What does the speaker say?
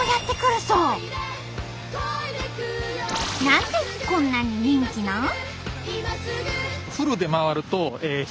何でこんなに人気なん？